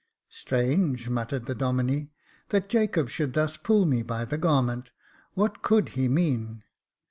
" Strange," muttered the Domine, " that Jacob should thus pull me by the garment. What could he mean